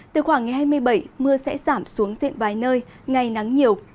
từ khoảng ngày hai mươi bảy mưa sẽ giảm xuống diện vài nơi ngày nắng nhiều